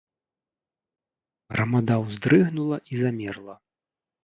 Грамада ўздрыгнула і замерла.